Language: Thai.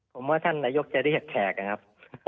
ผมว่าท่านนายกจะเรียกแขกนะครับ